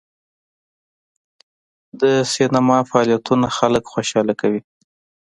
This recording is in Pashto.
د سینما فلمونه خلک خوشحاله کوي.